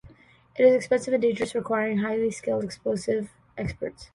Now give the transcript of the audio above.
It is expensive and dangerous requiring highly skilled explosives experts.